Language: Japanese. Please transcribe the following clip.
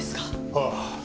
ああ。